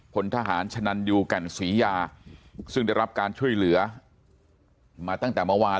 พลทหารชะนันยูแก่นศรียาซึ่งได้รับการช่วยเหลือมาตั้งแต่เมื่อวาน